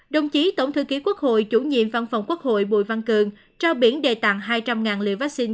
đồng chí tổng thư ký quốc hội chủ nhiệm văn phòng quốc hội bùi văn cường trao biển đề tặng hai trăm linh liều vaccine